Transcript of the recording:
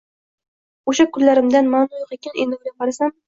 Oʻsha kunlarimdan maʼno yoʻq ekan, endi oʻylab qarasam.